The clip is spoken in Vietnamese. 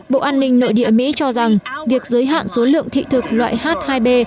bộ an ninh nội địa mỹ cho rằng việc giới hạn số lượng thị thực loại h hai b